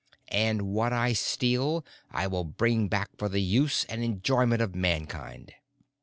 And what I steal, I will bring back for the use and enjoyment of Mankind."